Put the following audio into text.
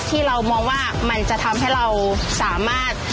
ที่เรามองว่ามันจะทำให้เราสามารถ